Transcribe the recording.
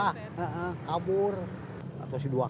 atau se dua kali kait kaitnya road motor teh nah taanya di tabrak kendaraan